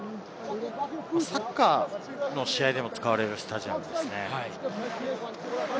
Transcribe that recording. サッカーの試合でも使われるスタジアムです。